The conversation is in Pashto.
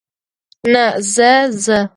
نه، زه، زه.